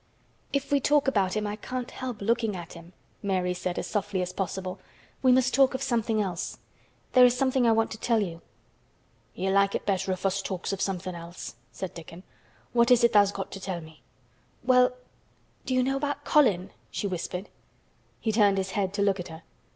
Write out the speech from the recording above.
"If we talk about him I can't help looking at him," Mary said as softly as possible. "We must talk of something else. There is something I want to tell you." "He'll like it better if us talks o' somethin' else," said Dickon. "What is it tha's got to tell me?" "Well—do you know about Colin?" she whispered. He turned his head to look at her.